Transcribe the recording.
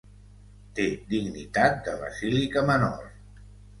Té dignitat de basílica menor.